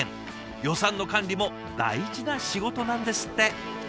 予算の管理も大事な仕事なんですって。